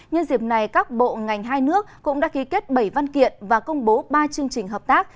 nhân dịp này các bộ ngành hai nước cũng đã ký kết bảy văn kiện và công bố ba chương trình hợp tác